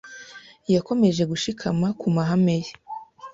Yakomeje gushikama ku mahame ye.